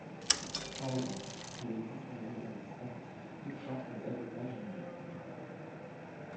En revanche, il existe un élément distinctif touchant aux avocats généraux.